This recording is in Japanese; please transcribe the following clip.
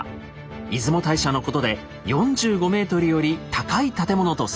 出雲大社のことで４５ｍより高い建物とされました。